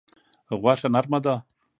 غوښه نرمه ده.